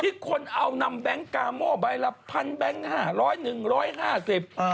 ที่คนเอานำแบงกลาโม้ไปละ๑๐๐๐แบงค์ห้าร้อยหนึ่งร้อยห้าสิบ